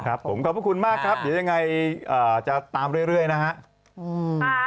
ครับผมขอบพระคุณมากครับเดี๋ยวยังไงจะตามเรื่อยนะครับ